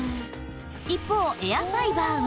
一方エアファイバーは